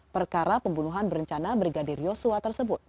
perkara pembunuhan berencana brigadir yosua tersebut